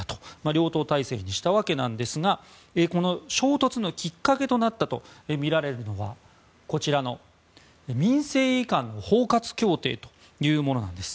両頭体制にしたわけなんですが衝突のきっかけとなったとみられるのは民政移管の包括協定というものなんです。